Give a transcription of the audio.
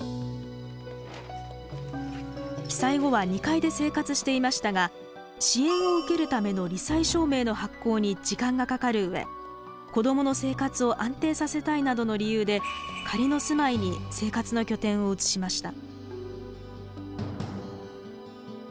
被災後は２階で生活していましたが支援を受けるためのり災証明の発行に時間がかかる上子どもの生活を安定させたいなどの理由で仮の住まいに生活の拠点を移しました。